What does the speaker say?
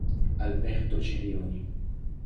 Alberto Cerioni